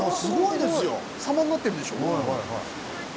様になってるでしょ？